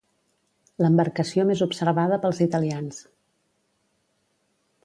L'embarcació més observada pels italians.